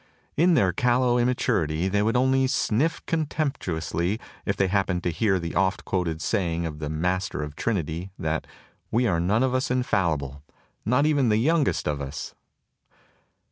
In their callow imma turity they would only sniff contemptuously if they happened to hear the oft quoted saying of the Master of Trinity, that "we are none of us infallible not even the youngest of us."